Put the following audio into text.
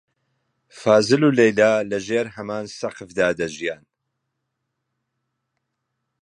فازڵ و لەیلا لەژێر هەمان سەقفدا دەژیان.